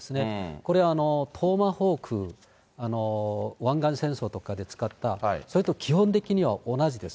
これ、トーマホーク、湾岸戦争とかで使った、それと基本的には同じです。